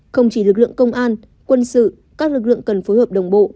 không chỉ lực lượng công an quân sự các lực lượng cần phối hợp đồng bộ